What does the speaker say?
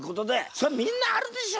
そりゃみんなあるでしょ